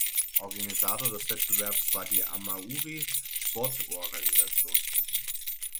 Organisator des Wettbewerbs war die Amaury Sport Organisation.